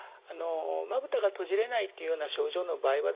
まぶたが閉じれないというような症状の場合はですね